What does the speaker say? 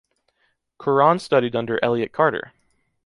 Curran studied under Elliot Carter.